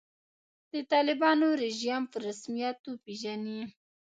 د طالبانو رژیم په رسمیت وپېژني.